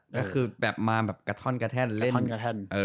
ก็คือมาแบบกะท่อนกะแทนเล่น